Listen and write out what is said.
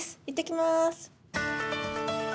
いってきます。